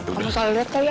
kamu salah liat kali ya